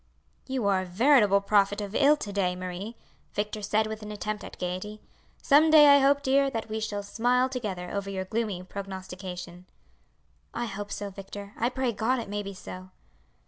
"You are a veritable prophet of ill to day, Marie," Victor said with an attempt at gaiety. "Some day, I hope, dear, that we shall smile together over your gloomy prognostication." "I hope so, Victor I pray God it may be so!"